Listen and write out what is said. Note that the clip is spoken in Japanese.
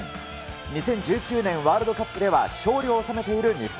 ２０１９年ワールドカップでは勝利を収めている日本。